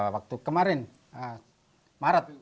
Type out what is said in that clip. waktu kemarin maret